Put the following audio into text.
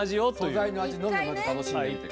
素材の味のみをまず楽しんでみて下さい。